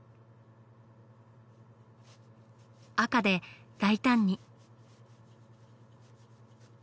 赤で大胆に。